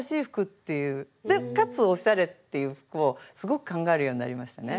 でかつおしゃれっていう服をすごく考えるようになりましたね。